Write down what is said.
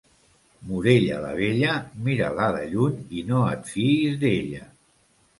Morella la bella, mira-la de lluny i no et fiïs d'ella.